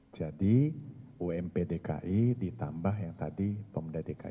jadi ump dki ditambah yang tadi pemda dki subsidi